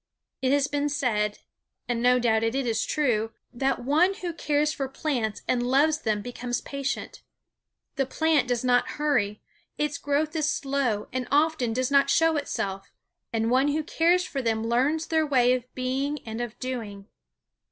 It has been said, and no doubt it is true, that one who cares for plants and loves them becomes patient. The plant does not hurry; its growth is slow and often does not show itself; and one who cares for them learns their way of being and of doing.